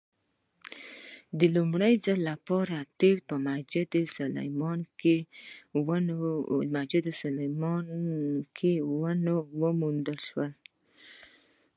آیا لومړی ځل تیل په مسجد سلیمان کې ونه موندل شول؟